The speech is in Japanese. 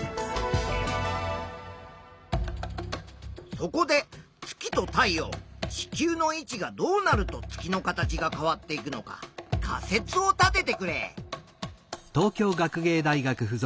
そこで月と太陽地球の位置がどうなると月の形が変わっていくのか仮説を立ててくれ。